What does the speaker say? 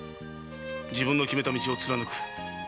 自分の決めた道を貫く。